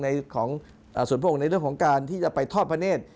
ในเรื่องของการที่จะไปทอดพระเนศ